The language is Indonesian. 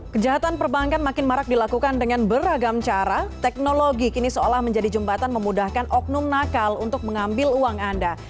kejahatan perbankan makin marak dilakukan dengan beragam cara teknologi kini seolah menjadi jembatan memudahkan oknum nakal untuk mengambil uang anda